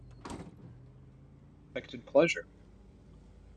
What an unexpected pleasure!